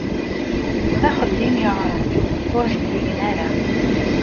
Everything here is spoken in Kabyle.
D axeddim yuɛren, ur zeddigen ara.